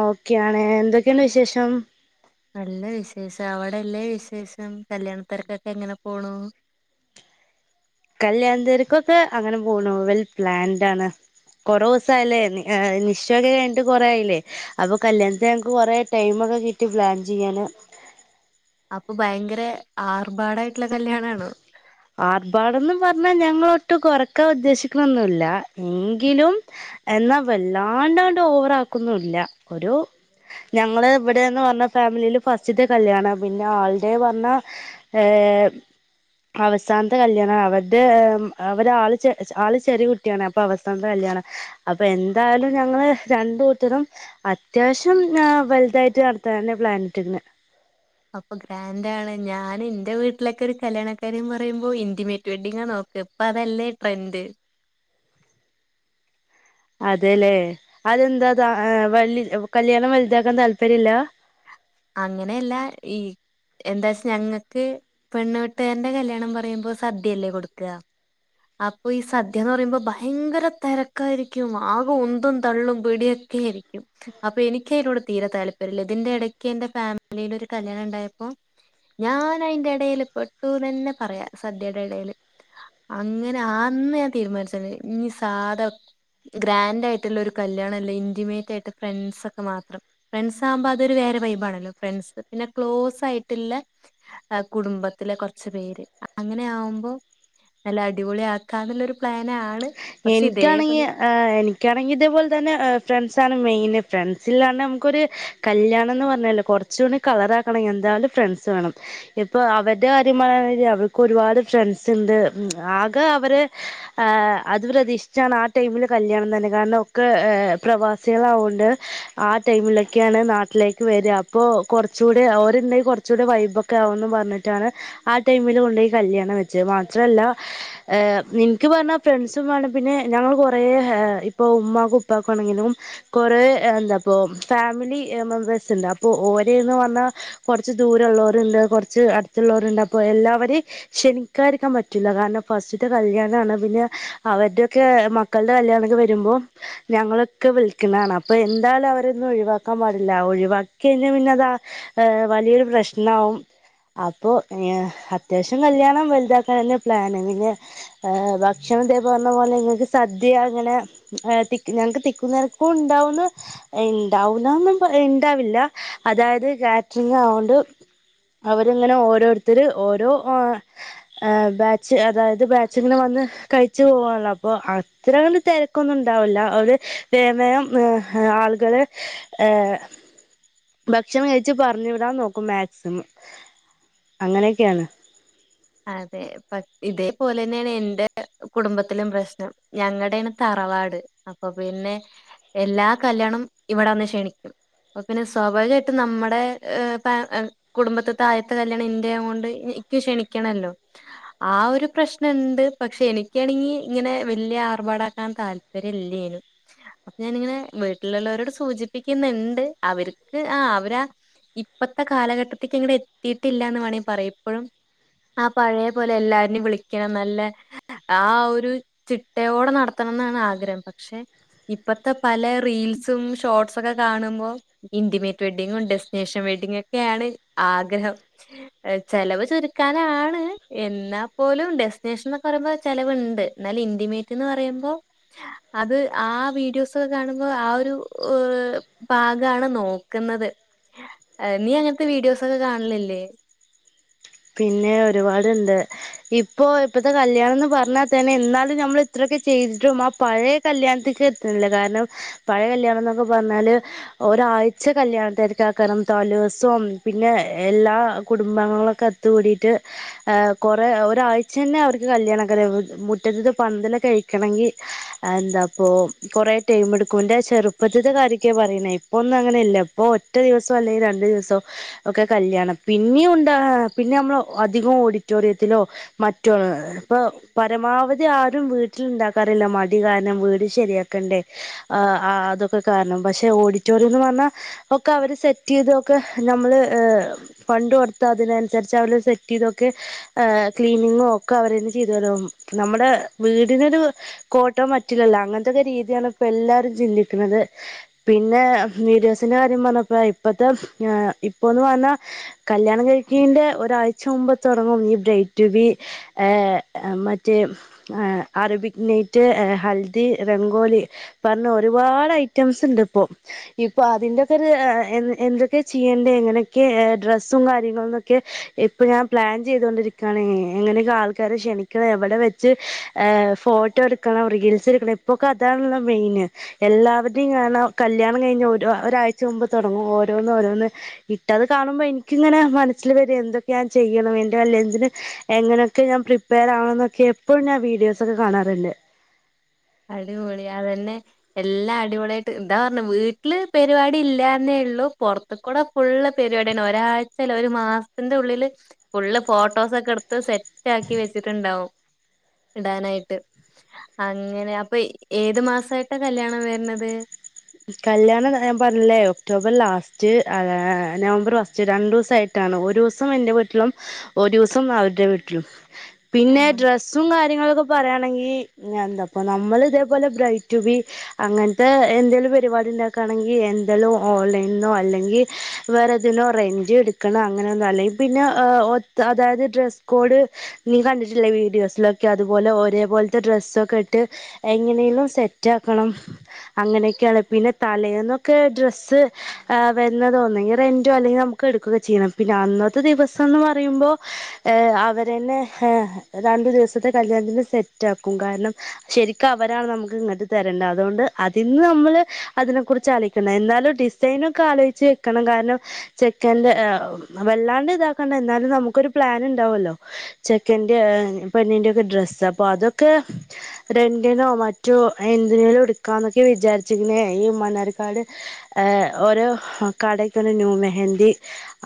Okay ആണ് എന്തൊക്കെണ്ട് വിശേഷം? നല്ല വിശേഷം അവിടെല്ലേ വിശേഷം കല്യാണ തെരക്കൊക്കെ എങ്ങനെ പോണു? കല്യാണ തിരക്കൊക്കെ അങ്ങനെ പോകുണു വെൽ പ്ലാൻഡണ് കൊറെ ദിവസ ആയില്ലേ നിശ്ചയക്കെ കഴിഞ്ഞിട്ട് കൊറ ആയില്ലേ അപ്പൊ കല്യാണത്തിന് ഞക്ക് കൊറെ ടൈമ് ഒക്കെ കിട്ടി പ്ലാൻ ചെയ്യാന് അപ്പൊ ഭയങ്കര ആർഭാടാ ട കല്യാണ ആണ് ആർഭാടംന്ന് പറഞ്ഞാ ഞങ്ങളൊട്ടും കുറക്കാൻ ഉദ്ദേശിക്ക്ണൊന്നുല്ല എങ്കിലും എന്നാ വല്ലാണ്ടാണ്ട് ഓവറക്കുന്നുല്ല ഒരു ഞങ്ങള് ഇവിടെന്ന് പറഞ്ഞ ഫാമിലിയില് ഫസ്റ്റിത്തെ കല്യാണം പിന്നെ ആള്ടെ പറഞ്ഞ ഏ അവസാനത്തെ കല്യാണം അവരുടെ അവടെ ആള് ആള് ചെറിയ കുട്ടിയാണ് അപ്പൊ അവസാനത്തെ കല്യാണ അപ്പൊ എന്തായാലും ഞങ്ങള് രണ്ട് കൂട്ടരും അത്യാവശ്യം വെലതായിട്ട് നടത്തനാ പ്ലാനിട്ടന് അപ്പൊ ഗ്രാൻഡ് ആണ് ഞാൻ എൻന്റെ വീട്ടിലൊക്കെ ഒരു കല്യാണക്കാര്യം പറയുമ്പോ ഇന്റിമേറ്റ് വെഡിങ്ങ് നോക്ക ഇപ്പൊ അതല്ലേ ട്രെൻഡ് അതെല്ലേ അതെന്താ വല കല്യാണം വലുതാക്കാൻ താല്പര്യല്ല അങ്ങനെയല്ല ഈ എന്താച്ച ഞങ്ങക്ക് പെണ്ണ് വീട്ടുകാരന്റെ കല്യാണം പറയുമ്പോ സദ്യയല്ലേ കൊടുക്ക അപ്പൊ ഈ സദ്യന്ന് പറയുമ്പോ ഭയങ്കര തെരക്കായിരിക്കും ആകെ ഉന്തും തള്ളും പിടിയൊക്കെ ആയിരിക്കും അപ്പൊ എനിക്കയിനോടു തീരെ താല്പര്യല്ല ഇതിന്റെ എടക്ക് ക്കെന്റെ ഫാമിലിയിൽ ഒരു കല്യാണം ഉണ്ടായപ്പോ ഞാൻ അയിന്റെ എടേല് പെട്ടുന്നന്നെ പറയാ സദ്യയുടെ ഇടേല് അങ്ങനെ അന്ന് ഞാൻ തീരുമാനിച്ചണ് ഇനി സാധ ഗ്രാൻഡ് ആയിട്ടുള്ള ഒരു കല്യാണല്ല ഇന്റിമേറ്റ് ആയിട്ട് ഫ്രണ്ട്സ് ഒക്കെ മാത്രം ഫ്രണ്ട്സ് ആവുമ്പോ അതൊരു വൈബ ആണല്ലോ ഫ്രണ്ട്സ് പിന്നെ ക്ലോസ് ആയിട്ടുള്ള കുടുംബത്തിലെ കുറച്ച് പേര് അങ്ങനെ ആകുമ്പോ നല്ല അടിപൊളി ആക്കാ എന്നുള്ളരു പ്ലനാണ് എനിക്കാണെങ്കിൽ എനിക്കാണെക്കി ഇതേപോലെ തന്നെ ഫ്രണ്ട്സ് സാണ് മെയിൻ ഫ്രണ്ട്സിലാണ്ട് നമുക്കൊരു കല്യാണം എന്ന് പറഞ്ഞല്ലോ കുറച്ചുകൂടി കളറാക്കണെങ്കിൽ എന്തായാലും ഫ്രണ്ട്സ് വേണം ഇപ്പൊ അവരുടെ കാര്യം പറ അവർക്ക് ഒരുപാട് ഫ്രണ്ട്സ് ഇണ്ട് ആകെ അവര് അത് പ്രതീഷിച്ചാണ് ആ ടൈമിൽ കല്യാണം തന്നെ കാരണം ഒക്കെ പ്രവാസികളവുണ്ട് ആ ടൈമിലൊക്കെയാണ് നാട്ടിലേക്ക് വര അപ്പോൾ കുറച്ചുകൂടി അവരുണ്ടെങ്കിൽ കുറച്ചുകൂടി വൈബൊക്കെ ആകന്ന് പറഞ്ഞിട്ടാണ് ആ ടൈമിൽ കൊണ്ടയി കല്യാണം വെച്ചത് മാത്രല്ല നിക്ക് പറഞ്ഞാൽ ഫ്രണ്ട്സും വേണം പിന്നെ ഞങ്ങൾ കുറേ ഇപ്പോ ഉമ്മാക്കും ഉപ്പക്കും ആണെങ്കിലും കുറേ എന്താപ്പോ ഫാമിലി മെമ്പേഴ്സ് ഇണ്ട് അപ്പോൾ ഓരേന്ന് പറഞ്ഞാൽ കുറച്ച് ദൂര ള്ളോരുണ്ട് കുറച്ച് അടുത്തുള്ളിരുണ്ട് അപ്പോ എല്ലാവരേം ക്ഷണിക്കാതിരിക്കാൻ പറ്റില്ല കാരണം ഫസ്റ്റ്ത്തെ കല്യാണാണ് പിന്നെ അവരുടെയൊക്കെ മക്കളുടെ കല്യാണംമൊക്കെ വരുമ്പോ ഞങ്ങളൊക്കെ വിളിക്ക്ണതാണ് അപ്പൊ എന്തായാലും അവരൊന്നും ഒഴിവാക്കാൻ പാടില്ല ഒഴിവാക്കി കഴിഞ്ഞാൽ പിന്നെ അതാ വലിയൊരു പ്രശ്നാവും അപ്പോ അത്യാവശ്യം കല്യാണം വലുതാക്കാൻ തന്നെ പ്ലാന് പിന്നെ [unintelligible] ഭക്ഷണം ദേ പറഞ്ഞ പോലെ ങ്ങക്ക് സദ്യ അങ്ങനെ ഏ തിക്ക് ഞങ്ങക്ക് തിക്കുന്നരക്കും ഉണ്ടാവുന്ന് ഏ ഇണ്ടാവുലാന്നും പ ഇണ്ടാവില്ല, അതായത് കാറ്ററിങ് ആയകൊണ്ട് അവരിങ്ങനെ ഓരോരുത്തര് ഓരോ ഓ ഏ ബാച്ച് അതായത് ബാച്ച്ങ്ങനെ വന്ന് കഴിച്ചു പോകാനുള്ള അപ്പോ അത്ര കണ്ട് തിരക്കൊന്നും ഇണ്ടാവൂല്ല, അവര് വേഗം വേഗം ഏ ആളുകള് ഏ ഭക്ഷണം കഴിച്ചു പറഞ്ഞു വിടാൻ നോക്കും മാക്സിമം അങ്ങനെയൊക്കെയാണ്. അതെ ഇപ്പ ഇതേപോലെ തന്നെയാണ് എന്റെ കുടുംബത്തിലും പ്രശ്നം ഞങ്ങടെയാണ് തറവാട്, അപ്പ പിന്നെ എല്ലാ കല്യാണം ഇവിടെ വന്ന് ക്ഷണിക്കും, അപ്പ പിന്നെ സ്വാഭാവികായിട്ടും നമ്മടെ ഏ പാ കുടുംബത്തത്തെ ആയത്തെ കല്യാണം എന്റെ കൊണ്ട് ഇക്ക് ക്ഷണി ക്കണല്ലോ, ആ ഒരു പ്രശ്നംണ്ട് പക്ഷേ എനിക്കാണെങ്കി ഇങ്ങനെ വല്യ ആർഭാടാക്കാൻ താല്പര്യം ഇല്ലേനു, അപ്പ ഞാനിങ്ങനെ വീട്ടിലുള്ളവരോട് സൂചിപ്പിക്കുന്നിണ്ട് അവർക്ക് ആ അവരാ ഇപ്പത്തെ കാലഘട്ടത്തേക്ക് ഇങ്ങട് എത്തിയിട്ടില്ലാന്ന് വേണേ പറയും ഇപ്പഴും. ആ പഴയ പോലെ എല്ലാരനെയും വിളിക്കണം നല്ല ആ ഒരു ചിട്ടയോടെ നടത്തണം എന്നാണ് ആഗ്രഹം, പക്ഷേ ഇപ്പത്തെ പല റീൽസും ഷോർട്സൊക്കെ കാണുമ്പോ ഇന്റിമേറ്റ് വെഡ്ഡിങ്ങും ഡെസ്റ്റിനേഷൻ വെഡ്ഡിങ്ങും ഒക്കെയാണ് ആഗ്രഹം, ഏ ചെലവ് ചുരു ക്കാനാണ്, എന്നാൽ പോലും ഡെസ്റ്റിനേഷൻ എന്നക്കെ പറയുമ്പോ ചെലവിണ്ട്, എന്നാല് ഇന്റിമേറ്റ് എന്ന് പറയുമ്പോ അത് ആ വീഡിയോസ്ക്കെ കാണുമ്പോ ആ ഒരു ഭാഗമാണ് നോക്കുന്നത് ഏ നീ അങ്ങനത്തെ വീഡിയോസ് ഒക്കെ കാണലില്ലേ. പിന്നെ ഒരുപാടുണ്ട് ഇപ്പോ ഇപ്പത്തെ കല്യാണം എന്ന് പറഞ്ഞാൽ തന്നെ എന്നാലും നമ്മൾ ഇത്രയൊക്കെ ചെയ്തിട്ടും ആ പഴയ കല്യാണത്തേക്ക് എത്തുന്നില്ല, കാരണം പഴയ കല്യാണം എന്നൊക്കെ പറഞ്ഞാല് ഒരാഴ്ച കല്യാണത്തിരക്ക് ആക്കണം തലേസോം പിന്നെ എല്ലാ കുടുംബങ്ങളൊക്കെ കൂടിട്ട് ഏ കൊറെ ഒരാഴ്ചന്നെ അവർക്ക് കല്യാണ [unintelligible] മു മുറ്റത്തത് പന്തല് ഒക്കെ അഴിക്കണെങ്കിൽ എന്തപ്പോ കൊറേ ടൈം എടുക്കും, എന്റെ ചെറുപ്പത്തിത്തെ കാര്യൊക്കെ പറയണ ഇപ്പ ഒന്നും അങ്ങനെ ഇല്ല, ഇപ്പോ ഒറ്റ ദിവസം അല്ലെങ്കിൽ രണ്ടു ദിവസോ ഒക്കെ കല്ല്യാണം പിന്നെയുണ്ടാ പിന്നെ നമ്മൾ അധികം ഓഡിറ്റോറിയത്തിലോ മറ്റോ ഇപ്പ പരമാവധി ആരും വീട്ടിൽ ഇണ്ടാക്കാറില്ല മടി കാരണം വീട് ശരിയാക്കണ്ടേ ആ അതൊക്കെ കാരണം, പക്ഷേ ഓഡിറ്റോറിയംന്ന് പറഞ്ഞാ ഒക്കെ അവര് സെറ്റ് ചെയ്തൊക്കെ നമ്മള് ഏ പണ്ട് കൊടുത്ത് അതിനെ സരിച്ച് അവര് സെറ്റ് ചെയ്തൊക്കെ ഏ ക്ലീനിങ്ങും ഒക്കെ അവരന്ന് ചെയ്ത് തരും, നമ്മടെ വീടിനൊരു കോട്ടം പറ്റില്ലല്ലോ അങ്ങനത്തൊക്കെ രീതിയാണ് ഇപ്പോ എല്ലാരും ചിന്തിക്കുന്നത്, പിന്നെ വീഡിയോസിന്റെ കാര്യം പറഞ്ഞപ്പോ ഇപ്പത്തെ ഏ ഇപ്പോന്ന് പറഞ്ഞാ കല്യാണം കഴി ക്കിന്റെ ഒരാഴ്ച മുമ്പ് തൊടങ്ങും ഈ ബ്രൈഡ് ടു ബി ഏ മറ്റേ അറബിക് നൈറ്റ്, ഹൽദി, റെംഗോലി പറഞ്ഞ ഒരുപാട് ഐറ്റംസ് ഇണ്ട് ഇപ്പോ, ഇപ്പ അതിന്റെക്കെ ഒരു എ എന്തൊക്കെ ചെയ്യേണ്ടേ എങ്ങനെയൊക്കെ ഡ്രസ്സും കാര്യങ്ങളും ക്ക് ഇപ്പ ഞാൻ പ്ലാൻ ചെയ്തൊണ്ടിരിക്കാണ് എങ്ങനെയൊക്കെ ആൾക്കർ ക്ഷണിക്കണം എവിടെ വെച്ച് ഏ ഫോട്ടോ എടുക്കണം റീൽസ് എടുക്കണം എപ്പോക്കെ അതാണല്ല മെയിൻ എല്ലാവരുടെയും [unintelligible] കല്യാണം കഴിഞ്ഞ് ഒരാഴ്ച മുമ്പ് തൊടങ്ങും ഓരോന്ന് ഓരോന്ന്, ഇട്ടത് കാണുമ്പോ എനിക്കിങ്ങനെ മന സ്സിൽ വരാ എന്തൊക്കെ ഞാൻ ചെയ്യണം എന്റെ അല്ലെന്ന് എന്തിന് എങ്ങനെയൊക്കെ ഞാൻ പ്രിപ്പയർ ആകണന്നൊക്കെ എപ്പോഴും ഞാൻ വീഡിയോസ് ഒക്കെ കാണാറിണ്ട്. അടിപൊളി അതന്നെ എല്ലാം അടിപൊളിയായിട്ട് എന്താ പറഞ്ഞു വീട്ടില് പരിപാടി ഇല്ലാന്നേ ഇള്ളൂ, പുറത്ത് കൂടെ ഫുള്ള് പരിപാടിയാണ്, ഒരാഴ്ചല് ഒരു മാസത്തിന്റെ ഉള്ളില് ഫുള്ള് ഫോട്ടോസ് ഒക്കെ എടുത്ത് സെറ്റ് ആക്കി വെച്ചിട്ടുണ്ടാവും ഇടാനായിട്ട്, അ ങ്ങനെ അപ്പ ഏത് മാസായിട്ടാ കല്യാണം വരണത്? കല്യാണം ഞാൻ പറഞ്ഞില്ലേ ഒക്ടോബർ ലാസ്റ്റ് [unintelligible] നവംബർ ഫസ്റ്റ് രണ്ടുസായിട്ടാണ്, ഒരുസം എന്റെ വീട്ടിലും ഒരുസം അവരുടെ വീട്ടിലും. പിന്നെ ആഹ് ഡ്രസ്സും കാര്യങ്ങളൊ ക്കെ പറയാണെങ്കി ഞാ ന്താ ഇപ്പ നമ്മള് ഇതേപോലെ ബ്രൈഡ് ടു ബി അങ്ങനത്തെ എന്തേലും പരിപാടി ഇണ്ടാക്കാണെങ്കി എന്തല്ലോ ഓൺലൈനോ അല്ലെങ്കിൽ വേറെതിനോ റേഞ്ച് എടുക്കന്ന അങ്ങനന്തോ അല്ലെ [unintelligible] അതായത് ഡ്രസ്സ് കോഡ് നീ കണ്ടിട്ടില്ലേ വീഡിയോസിലൊക്കെ ഒരേ പോലത്തെ ഡ്രസ്സൊക്കെ ഇട്ട് എങ്ങനെലും സെററ്റാക്കണം അങ്ങനെയൊക്കെ ആണ്. പിന്നെ തലേന്നൊക്കെ ഡ്രസ്സ് ഏ വരുന്നതോ ഒന്നെങ്കി റെന്റോ അല്ലെങ്കി നമുക്ക് എടുക്കൊക്കെ ചെയ്യണം, പിന്നെ അന്നത്തെ ദിവസംന്ന് പറയുമ്പോ ഏ അവരെന്നെ രണ്ടു ദിവസത്തെ കല്യാണത്തിന്റെ സെറ്റാക്കും, കാരണം ശെരിക്കും അവരാണ് നമുക്ക് ഇങ്ങട്ട് തരണ്ട അതുകൊണ്ട് അതിൽന്ന് നമ്മള് അതിനെ കുറിച്ച് ആലോയിക്കണം എന്നാലും ഡിസൈനോക്കെ ആലോചിച്ച് വെക്കണം, കാരണം ചെക്കന്റെ വല്ലാണ്ട് ഇതാക്കണ്ട എന്നാലും നമുക്കൊരു പ്ലാൻ ഇണ്ടാവല്ലോ ചെക്കന്റെ പെണ്ണിന്റോക്കെ ഡ്രസ്സ് അപ്പ അതൊക്കെ റെന്റിനോ മറ്റോ എന്തിനേലോ എടുക്കാ എന്നൊക്കെ വിചാരി ചെയ്യണേ ഈ മണ്ണാർക്കാട് ഏ ഓരു കടക്കണ്ട് ന്യൂ മെഹന്തി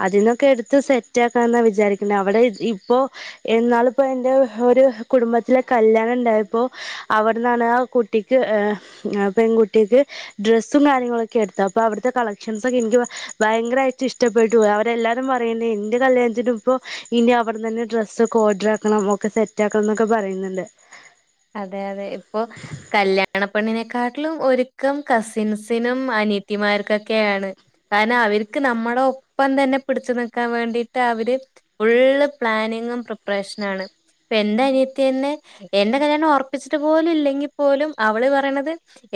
അതിൽന്നൊക്കെ എടുത്ത് സെറ്റ് ആക്കാന്നാ വിചാരിക്ക്ന്നെ അവിടെ ഇപ്പോ എന്നാളിപ്പോ എന്റെ ഒരു കുടുംബത്തിലെ കല്യാണം ഉണ്ടായപ്പോ അവിടെന്നാണ് ആ കുട്ടിക്ക് പെൺകു ട്ടിക്ക് ഡ്രസ്സും കാര്യങ്ങളൊക്കെ എടുത്ത അപ്പൊ അവിടുത്തെ കളക്ഷൻസൊക്കെ എനിക്ക് ഭയങ്കരായിട്ട് ഇഷ്ടപ്പെട്ടു പോയി അവരെല്ലാരും പറയണ്ട് എന്റെ കല്യാണത്തിനും ഇപ്പോ ഇനി അവിടെ തന്നെ ഡ്രസ്സൊക്കെ ഓർഡർക്കണം ഒക്കെ സെറ്റ്ക്കണം എന്നൊക്കെ പറയുന്നുണ്ട് അതെ അതെ ഇപ്പൊ കല്യാണപ്പെണ്ണിനേക്കാ ക്കാട്ടിലും ഒരുക്കം കസിൻസിനും അനിയത്തിമാർക്കൊക്കെയാണ് കാരണം അവർക്ക് നമ്മുടെ ഒപ്പം തന്നെ പിടിച്ചു നിക്കാൻ വേണ്ടിട്ട് അവര് ഫുള്ള് പ്ലാനിങ്ങും പ്രിപ്പറേഷന ആണ് എന്റെ അനിയത്തി തന്നെ എന്നെ കല്യാണം ഉറപ്പിച്ചിട്ട് പോലും ഇല്ലെങ്കിൽ പോലും അവള് പറയണത്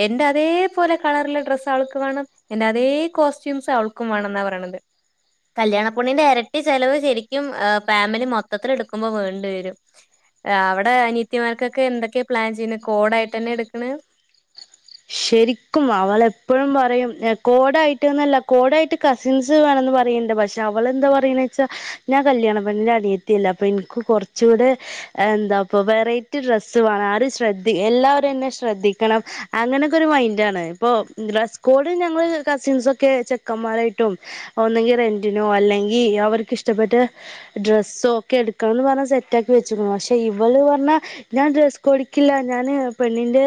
എന്റെ അതേപലെ കളറില ഡ്രസ്സ് അവൾക്ക് വേണം എന്റെ അതേ കോസ്റ്റ്യൂംസ് അവൾക്കും വേണം എന്നാ പറയണത് കല്യാണപ്പൊണ്ണിന്റെ ഇരട്ടി ചെലവ് ശരിക്കും ഏ ഫാമിലി മൊത്തത്തിൽ എടുക്കുമ്പോൾ വേണ്ടി വരും. അവിടെ അനിയത്തിമാർക്കൊക്കെ ക്കെ എന്തൊക്കെയ പ്ലാൻ ചെയ്യണ് കോഡായിട്ട് തന്നെ എടുക്കണ് ശരിക്കും അവള എപ്പോഴും പറയും കോടായിട്ട്ന്നല്ല കോടായിട്ട് കസിൻസ് വേണന്ന് പറയണ്ണ്ട് പക്ഷെ അവളെന്താ പറയണ വെച്ചാ ഞാൻ കല്യാണപ്പെണ്ണിന്റെ അനിയത്തിയല്ലേ അപ്പൊ എനിക്ക് കുറച്ചുകൂടെ എന്താപ്പ വെറൈറ്റി ഡ്രസ്സ് വേണം ആരും ശ്രദ്ധിക്ക എല്ലാവരും എന്നെ ശ്രദ്ധിക്കണം അങ്ങനെ അവക്കൊരു മൈന്റാണ് ഇപ്പൊ ഡ്രസ്സ് കോഡ് ഞങ്ങൾ കസിൻസൊക്കെ ചെക്കന്മാരായിട്ടും ഒന്നെങ്കിൽ റെന്റിനോ അല്ലെങ്കിൽ അവർക്ക് ഇഷ്ടപ്പെട്ട ഡ്രസ്സോ ഒക്കെ എടുക്കാന്ന് പറഞ്ഞു സെറ്റ ആക്കി വെച്ച്ക്ക്ണു പക്ഷെ ഇവള് പറഞ്ഞാ ഞാൻ ഡ്രസ്സ് കോഡിക്കില്ല ഞാന് പെണ്ണിന്റെ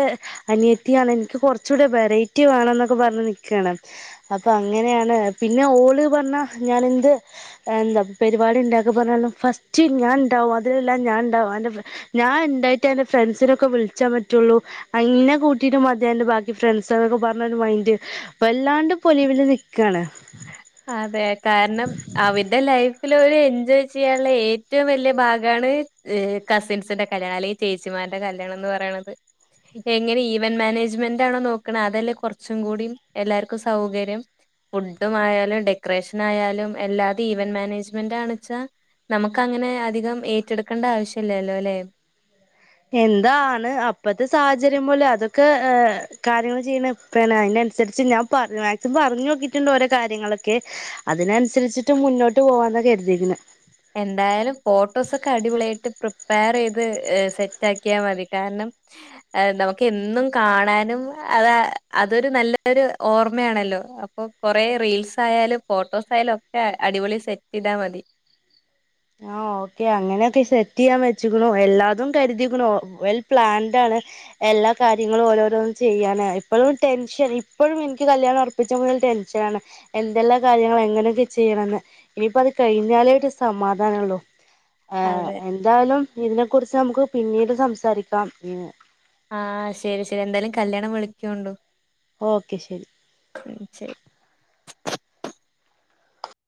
അനിയത്തിയാ ണ് എനിക്ക് കുറച്ചുകൂടെ വെറൈറ്റി വേണംന്നൊക്കെ പറഞ്ഞ് നിക്കാണ് അപ്പൊ അങ്ങനെയാണ് പിന്നെ ഓള് പറഞ്ഞാ ഞാൻ എന്ത് എന്താ പരിപാടി ഉണ്ടാക്കി പറഞ്ഞാലും ഫസ്റ്റ് ഞാൻ ഉണ്ടാവും അതിലെല്ലാം ഞാൻ ഉണ്ടാവും ഞാൻ ഉണ്ടായിട്ട് എന്റെ ഫ്രണ്ട്സിനൊക്കെ വിളിച്ചാൻ പറ്റുള്ളൂ എന്നെ കൂട്ടീട്ട് മതി അന്റെ ബാക്കി ഫ്രണ്ട്സ്ന്നൊക്കെ പറഞ്ഞൊരു മൈന്റ് അപ്പല്ലാണ്ട് പൊലിവില് നിക്കാണ് അതെ കാരണം അവര്ടെ ലൈഫ് ല് എൻജോയ് ചെയ്യാനുള്ള ഏറ്റവും വലിയ ഭാഗാണ് കസിൻസിന്റെ കല്യാണം അല്ലെങ്കിൽ ചേച്ചിമാരുടെ കല്യാണം എന്ന് പറയുന്നത്. എങ്ങനെ ഈവൻ മാനേജ്മെന്റാണോ നോക്കണ അതല്ലേ കുറച്ചും കൂടി എല്ലാവർക്കും സൗകര്യം ഫുഡും ആയാ ഡെക്കറേഷൻ ആയാലും അല്ലാതെ ഈവൻ മാനേജ്മെന്റാണെച്ചാൽ നമുക്ക്ങ്ങനെ അധികം ഏറ്റെടുക്കേണ്ട ആവശ്യം ഇല്ലല്ലോ ല്ലേ എന്താണ് അപ്പത്തെ സാഹചര്യം പോലെ അതൊക്കെ കാര്യങ്ങൾ ചെയ്യണപ്പന്നെ അതിനനുസരിച്ച് ഞാൻ പറ മാക്സിമം പറഞ്ഞു നോക്കിട്ടുണ്ട് ഓരോ കാര്യങ്ങളൊക്കെ അതിനനുസരിച്ചിട്ട് മുന്നോട്ട് പോവാന്ന കരുതിക്കണേ എന്തായാലും ഫോട്ടോസൊക്കെ അടിപൊളിയായിട്ട് പ്രിപ്പയർ ചെയ്ത് സെറ്റ് ആക്കിയാൽ മതി കാരണം നമുക്ക് എന്നും കാണാനും അത് അതൊരു നല്ലൊരു ഓർമ്മയാണല്ലോ അപ്പൊ കൊറെ റീൽസ് ആയാലും ഫോട്ടോസ് ആയാലും ഒക്കെ അടിപൊളി സെറ്റ് ചെയ്താൽ മതി ആ ഓക്കെ അങ്ങനെയൊക്കെ സെറ്റ് ചെയ്യാൻ വെച്ച്ക്ക്ണൂ. എല്ലാതും കരുതിക്ക്ണൂ വെൽ പ്ലാൻഡ് ആണ് എല്ലാ കാര്യങ്ങളും ഓരോരോന്നും ചെയ്യാണ് ഇപ്പോഴും ടെൻഷൻ ഇപ്പോഴും എനിക്ക് കല്യാണം ഉറപ്പിച്ച മുതൽ ടെൻഷനാണ് എന്തെല്ലാ കാര്യങ്ങളും എങ്ങനൊക്കെ ചെയ്യണന്ന് ഇനിയിപ്പോ അത് കഴിഞ്ഞാലേട്ട് സമാ എന്താണല്ലോ ആ അതെ എന്തായാലും ഇതിനെ കുറിച്ച് നമുക്ക് പിന്നീട് സംസാരിക്കാം ആ ശരി ശരി എന്തായാലും കല്യാണം വിളിക്കോണ്ടൂ ഓക്കെ ശരി ശരി